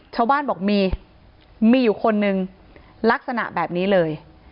ชาวบ้านบอกมีมีอยู่คนนึงลักษณะแบบนี้เลย